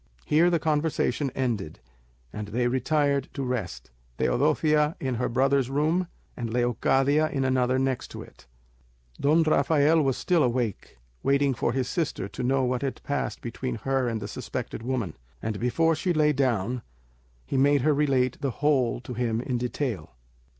Here the conversation ended, and they retired to rest, Teodosia in her brother's room, and Leocadia in another next it. Don Rafael was still awake, waiting for his sister to know what had passed between her and the suspected woman; and before she lay down, he made her relate the whole to him in detail.